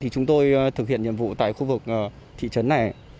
chúng tôi thực hiện nhiệm vụ tại khu vực thị trấn này